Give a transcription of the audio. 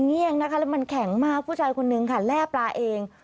เลี่ยงนะคะแล้วมันแข็งมากผู้ชายคนนึงค่ะแร่ปลาเอง